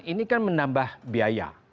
ini kan menambah biaya